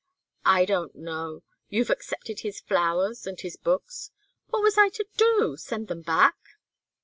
"I don't know. You've accepted his flowers and his books " "What was I to do? Send them back?"